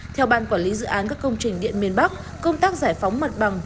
theo ban quản lý dự án các công trình điện miền bắc công tác giải phóng mặt bằng